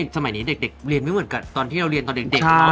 สมัยนี้เด็กเรียนไม่เหมือนกับตอนที่เราเรียนตอนเด็ก